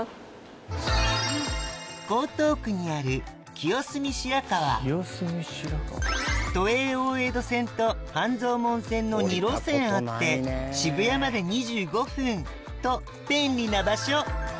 けどもっと彼女が都営大江戸線と半蔵門線の２路線あって渋谷まで２５分と便利な場所